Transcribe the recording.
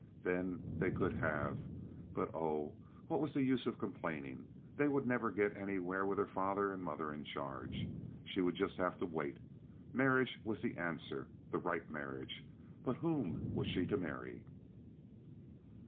Then they could have—but, oh, what was the use of complaining? They would never get anywhere with her father and mother in charge. She would just have to wait. Marriage was the answer—the right marriage. But whom was she to marry?